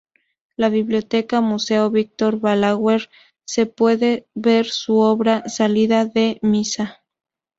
En la Biblioteca Museo Víctor Balaguer se puede ver su obra "Salida de misa".